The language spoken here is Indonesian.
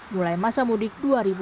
mulai masa mudik dua ribu enam belas